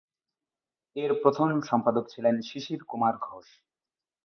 এর প্রথম সম্পাদক ছিলেন শিশির কুমার ঘোষ।